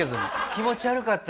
気持ち悪かった？